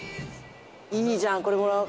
いいじゃんこれもらおう。